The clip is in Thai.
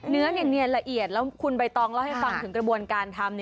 เนื้อเนียนละเอียดแล้วคุณใบตองเล่าให้ฟังถึงกระบวนการทำ